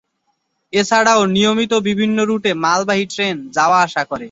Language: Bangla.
এছাড়াও নিয়মিত বিভিন্ন রুটে মালবাহী ট্রেন যাওয়া আসা করে।